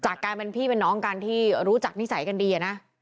กลายเป็นพี่เป็นน้องกันที่รู้จักนิสัยกันดีนะ